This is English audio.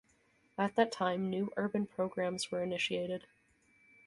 At that time, new urban programs were initiated.